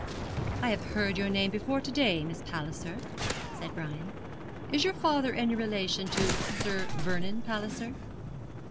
'I have heard your name before to day, Miss Palliser,' said Brian. 'Is your father any relation to Sir Vernon Palliser?'